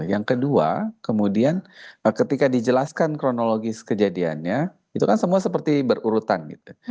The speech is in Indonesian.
yang kedua kemudian ketika dijelaskan kronologis kejadiannya itu kan semua seperti berurutan gitu